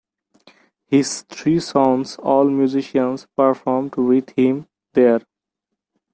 His three sons, all musicians, performed with him there.